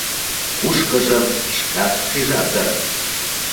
Кушкыжым шкат шижат дыр...